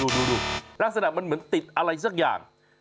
ดูลักษณะมันเหมือนติดอะไรสักอย่าง